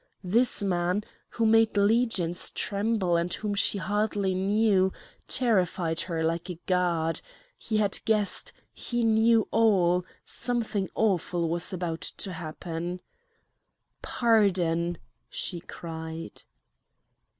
This man, who made legions tremble and whom she hardly knew, terrified her like a god; he had guessed, he knew all, something awful was about to happen. "Pardon!" she cried.